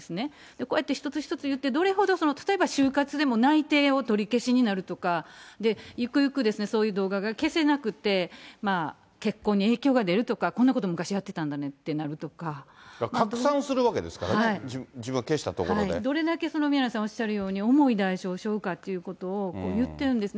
こうやって一つ一つ言って、どれほどその、例えば、就活でも内定を取り消しになるとか、ゆくゆくそういう動画が消せなくて、結婚に影響が出るとか、こんなこと、拡散するわけですからね、自どれだけ宮根さんおっしゃるように、重い代償をしょうかってことを言ってるんですね。